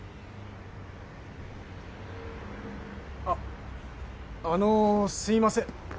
ああのすいません。